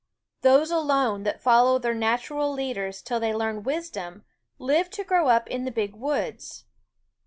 Those alone that follow their natural leaders till they learn wisdom live to grow up in the big woods.